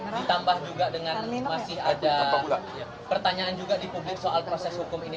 ditambah juga dengan masih ada pertanyaan juga di publik soal proses hukum ini